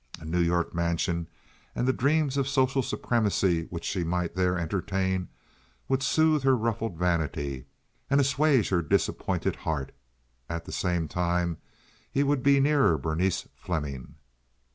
A New York mansion and the dreams of social supremacy which she might there entertain would soothe her ruffled vanity and assuage her disappointed heart; and at the same time he would be nearer Berenice Fleming.